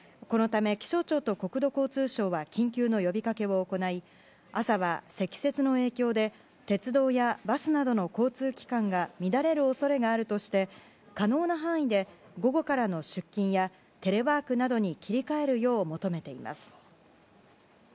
このため気象庁と国土交通省は緊急の呼びかけを行い朝は積雪の影響で鉄道やバスなどの交通機関が乱れる恐れがあるとして可能な範囲で午後からの出勤やテレワークなどに切り替えるよう求めています。